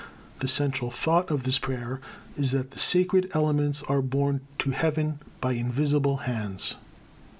The central thought of this prayer is that the sacred elements are borne to heaven by invisible hands.